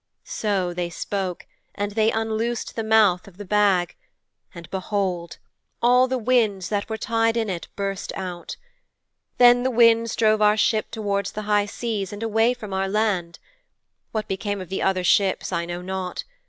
"' 'So they spoke, and they unloosed the mouth of the bag, and behold! all the winds that were tied in it burst out. Then the winds drove our ship towards the high seas and away from our land. What became of the other ships I know not.